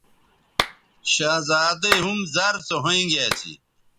شہزادی ھم زر سو ھوینگے اسی